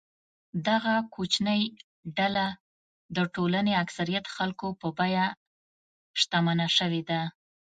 دغه کوچنۍ ډله د ټولنې اکثریت خلکو په بیه شتمنه شوې ده.